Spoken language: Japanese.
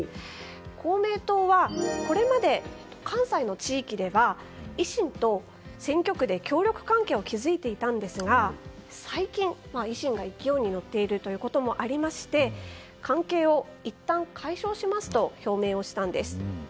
公明党はこれまで関西の地域では維新と選挙区で協力関係を築いていたんですが最近、維新が勢いに乗っているということもありまして関係をいったん解消しますと表明をしたんです。